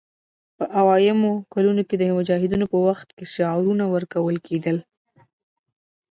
په اویایمو کلونو کې د مجاهدینو په وخت کې شعارونه ورکول کېدل